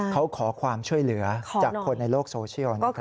เขาขอความช่วยเหลือจากคนในโลกโซเชียลนะครับ